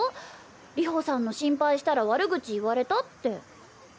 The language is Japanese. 流星さんの心配したら悪口言われたって。